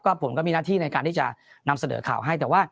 ก็ผมก็มีหน้าที่ในการที่จะนำเสดอข่าวให้